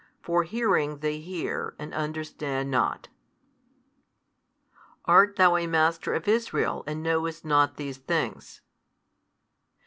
For hearing they hear and understand not. Art thou a master of Israel and knowest not these things?